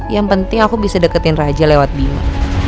yang penting aku bisa deketin raja lewat bima